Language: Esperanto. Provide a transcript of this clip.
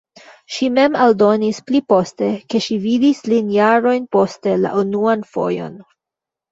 Ŝi mem aldonis pli poste, ke ŝi vidis lin jarojn poste la unuan fojon.